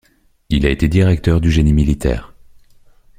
Il a été directeur du génie militaire.